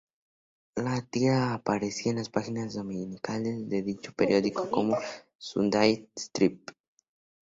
La tira aparecía en las páginas dominicales de dicho periódico, como "sunday strip".